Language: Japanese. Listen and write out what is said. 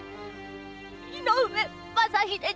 井上正秀に！